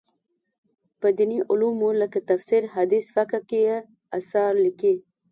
په دیني علومو لکه تفسیر، حدیث، فقه کې یې اثار لیکلي.